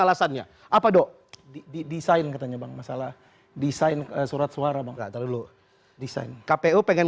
alasannya apa dok didesain katanya bang masalah desain surat suara bang kata terlalu desain kpu pengen